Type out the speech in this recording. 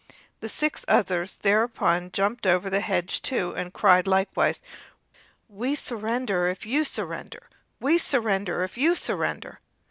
The six others thereupon jumped over the hedge too, and cried likewise: "We surrender if you surrender! we surrender if you surrender!"